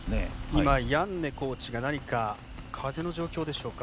今、ヤンネコーチが何か風の状況でしょうか。